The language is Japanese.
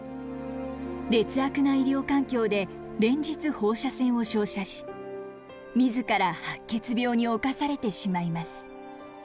劣悪な医療環境で連日放射線を照射し自ら白血病に侵されてしまいます。